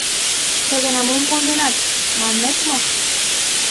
— Ты гана мом конденат, маннет мо?